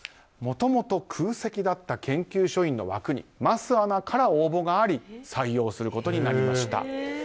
もともと空席だった研究所員の枠に桝アナから応募があり採用することになりました。